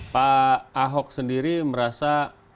pak ahok sendiri merasa